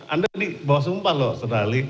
anda ini bawa sumpah loh saudara ahli